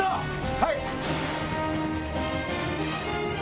はい！